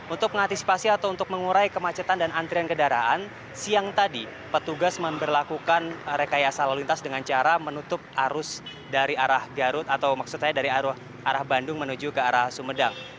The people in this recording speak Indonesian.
untuk mengantisipasi atau untuk mengurai kemacetan dan antrian kendaraan siang tadi petugas memperlakukan rekayasa lalu lintas dengan cara menutup arus dari arah garut atau maksud saya dari arah bandung menuju ke arah sumedang